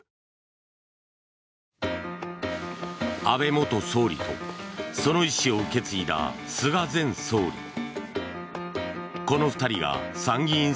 安倍元総理とその意思を受け継いだ菅前総理。